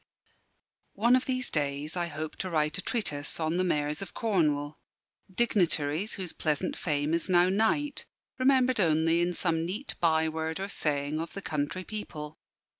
One of these days I hope to write a treatise on the Mayors of Cornwall dignitaries whose pleasant fame is now night, remembered only in some neat by word or saying of the country people.